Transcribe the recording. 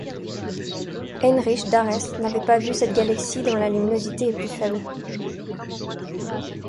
Heinrich d'Arrest n'avait pas vu cette galaxie dont la luminosité est plus faible.